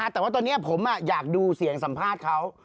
แต่ว่าตอนนี้ผมอยากดูเสียงสัมภาษณ์เขา